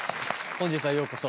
本日はようこそ。